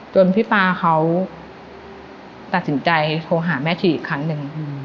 พี่ป๊าเขาตัดสินใจโทรหาแม่ชีอีกครั้งหนึ่ง